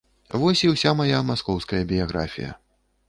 Вось і ўся мая маскоўская біяграфія.